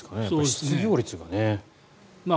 失業率がね。